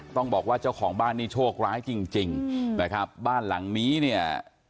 ต้องบอกว่าเจ้าของบ้านนี่โชคร้ายจริงจริงนะครับบ้านหลังนี้เนี่ย